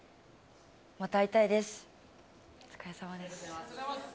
また会いたいです。